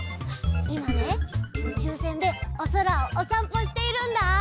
いまねうちゅうせんでおそらをおさんぽしているんだ。